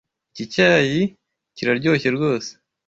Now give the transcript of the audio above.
Iki cyayi kiraryoshye rwose.